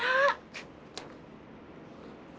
apa kamu berada dimana